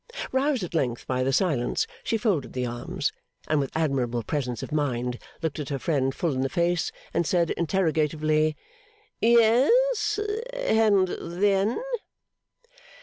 Roused at length by the silence, she folded the arms, and with admirable presence of mind looked her friend full in the face, and said interrogatively, 'Ye es? And then?